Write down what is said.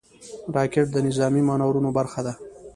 راکټ د نظامي مانورونو برخه ده